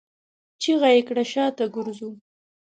چيغه يې کړه! شاته ګرځو!